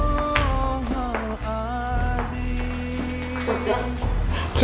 ujjum allah tinggalin aku